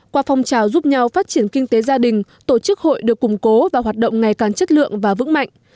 qua phong trào giúp nhau phát triển kinh tế gia đình tổ chức hội được củng cố và hoạt động ngày càng chất lượng và vững mạnh